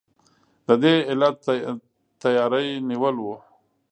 د دې علت تیاری نیول وو.